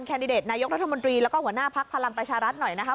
แดดิเดตนายกรัฐมนตรีแล้วก็หัวหน้าพักพลังประชารัฐหน่อยนะคะ